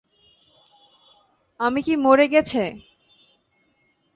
আমি কি মরে গেছে?